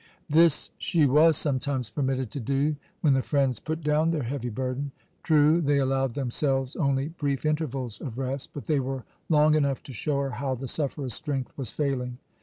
This she was sometimes permitted to do when the friends put down their heavy burden. True, they allowed themselves only brief intervals of rest, but they were long enough to show her how the sufferer's strength was failing.